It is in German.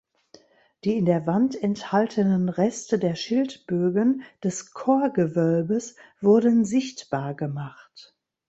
Die in der Wand enthaltenen Reste der Schildbögen des Chorgewölbes wurden sichtbar gemacht.